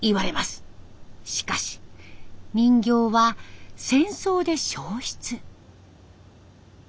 しかし人形は戦争で焼失。